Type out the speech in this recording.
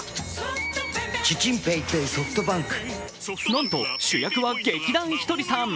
なんと主役は劇団ひとりさん。